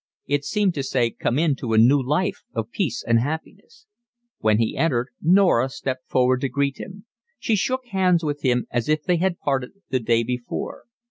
It seemed to say come in to a new life of peace and happiness. When he entered Norah stepped forward to greet him. She shook hands with him as if they had parted the day before.